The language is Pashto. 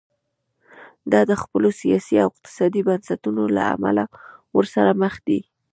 دا د خپلو سیاسي او اقتصادي بنسټونو له امله ورسره مخ دي.